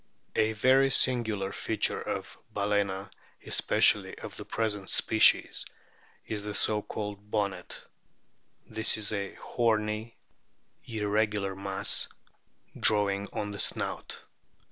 A very singular feature of Balcena^ especially of the present species, is the so called " bonnet." This is a horny, irregular mass growing on the snout.